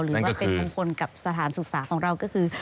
หรือว่าเป็นมงคลกับสถานศึกษาของเราก็คือ